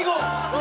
「何？